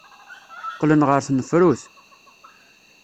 Qqlen ɣer tnefrut.